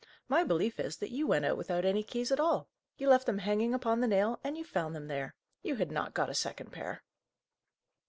My belief is, that you went out without any keys at all. You left them hanging upon the nail, and you found them there. You had not got a second pair!"